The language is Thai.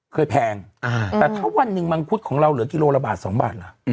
แพงแต่ถ้าวันหนึ่งมังคุดของเราเหลือกิโลละบาท๒บาทล่ะ